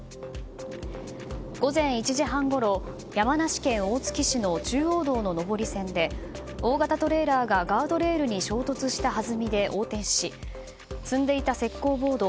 午前１時半ごろ山梨県大月市の中央道の上り線で大型トレーラーがガードレールに衝突したはずみで横転し積んでいた石膏ボード